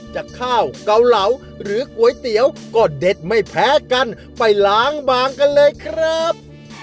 จากข้าวเกาเหลาหรือก๋วยเตี๋ยวก็เด็ดไม่แพ้กันไปล้างบางกันเลยครับ